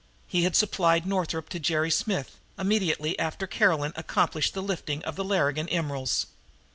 He had supplied Northup to Jerry Smith, immediately after Caroline accomplished the lifting of the Larrigan emeralds.